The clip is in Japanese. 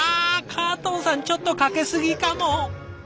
カートンさんちょっとかけすぎかも。